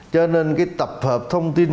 cho nên cái tập hợp thông tin